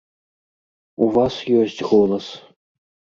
У вас ёсць голас.